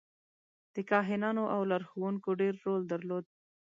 د کاهنانو او لارښوونکو ډېر رول درلود.